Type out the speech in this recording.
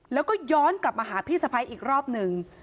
แล้วก็ย้อนกลับมาหาพี่สะพ้ายอีกรอบหนึ่ง